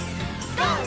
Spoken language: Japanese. ＧＯ！